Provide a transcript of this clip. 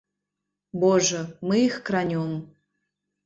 Божа, мы іх кранем.